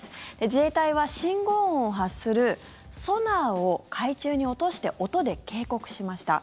自衛隊は信号音を発するソナーを海中に落として音で警告しました。